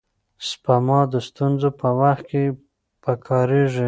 سپما د ستونزو په وخت کې پکارېږي.